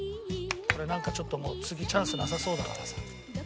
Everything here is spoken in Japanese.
これなんかちょっともう次チャンスなさそうだからさ